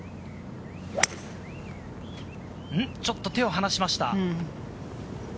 ちょっと手を離しました。